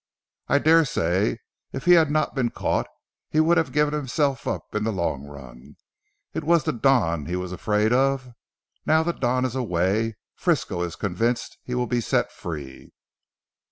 I daresay if he had not been caught he would have given himself up in the long run. It was the Don he was afraid of. Now the Don is away, Frisco is convinced he will be set free."